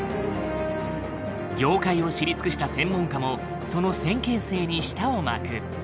業界を知り尽くした専門家もその先見性に舌を巻く。